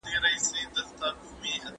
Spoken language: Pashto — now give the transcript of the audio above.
خیر محمد د خپلې مېرمنې د صبر مننه وکړه.